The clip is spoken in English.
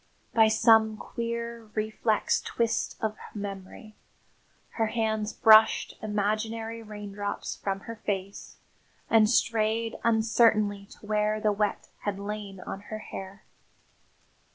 By some queer, reflex twist of memory, her hands brushed imaginary raindrops from her face and strayed uncertainly to where the wet had lain on her hair.